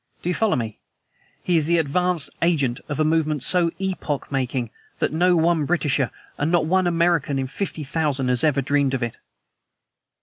Do you follow me? He is the advance agent of a movement so epoch making that not one Britisher, and not one American, in fifty thousand has ever dreamed of it."